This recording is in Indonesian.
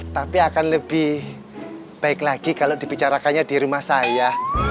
tapi akan lebih baik lagi kalau dibicarakannya di rumah saya